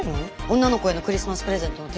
女の子へのクリスマスプレゼントの定番なのに。